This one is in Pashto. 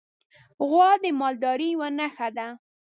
غوا د مالدارۍ یوه نښه ده.